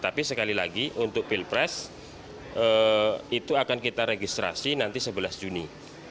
tapi sekali lagi untuk pilpres itu akan kita registrasi nanti sebelas juni